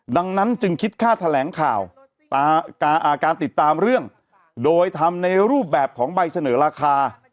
ดังนั้นจึงคิดค่าแถลงข่าวการติดตามเรื่องโดยทำในรูปแบบของใบเสนอราคา